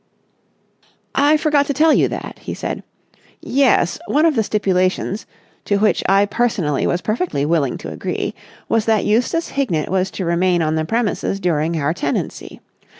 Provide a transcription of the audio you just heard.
"I forgot to tell you that," he said. "Yes, one of the stipulations—to which I personally was perfectly willing to agree—was that Eustace Hignett was to remain on the premises during our tenancy.